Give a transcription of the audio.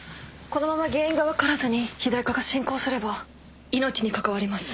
このまま原因が分からずに肥大化が進行すれば命に関わります。